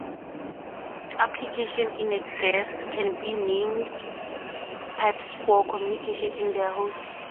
Applications in a "guest" can use named pipes for communication with their "host".